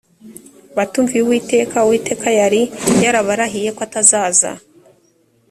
batumviye uwiteka uwiteka yari yarabarahiye ko atazaza